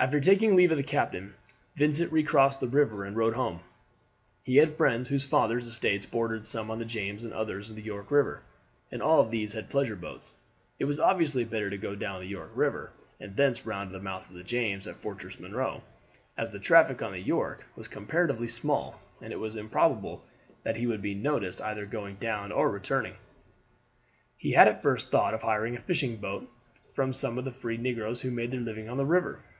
After taking leave of the captain, Vincent recrossed the river and rode home. He had friends whose fathers' estates bordered some on the James and others on the York River, and all of these had pleasure boats. It was obviously better to go down the York River, and thence round to the mouth of the James at Fortress Monroe, as the traffic on the York was comparatively small, and it was improbable that he would be noticed either going down or returning. He had at first thought of hiring a fishing boat from some of the free negroes who made their living on the river.